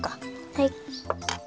はい。